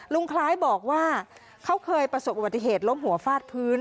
คล้ายบอกว่าเขาเคยประสบอุบัติเหตุล้มหัวฟาดพื้น